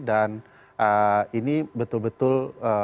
dan ini betul betul